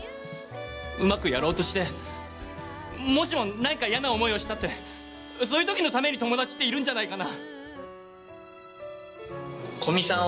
うまくやろうとしてもしも何か嫌な思いをしたってそういう時のために友達っているんじゃないかな？